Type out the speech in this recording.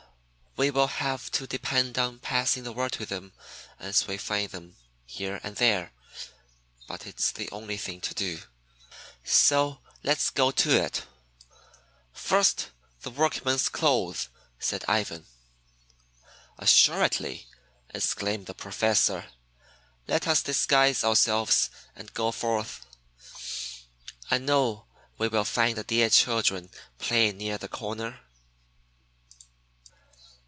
"We will have to depend on passing the word to them as we find them here and there, but it's the only thing to do, so let's go to it." "First the workman's clothes," said Ivan. "Assuredly!" exclaimed the Professor. "Let us disguise ourselves and go forth. I know that we will find the dear children playing near the corner."